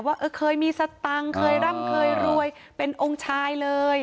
ว่าเคยมีสตังค์เคยร่ำเคยรวยเป็นองค์ชายเลย